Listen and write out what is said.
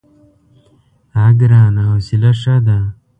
_اه ګرانه! حوصله ښه ده.